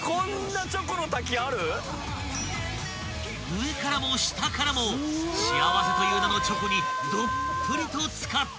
［上からも下からも幸せという名のチョコにどっぷりと漬かっていく］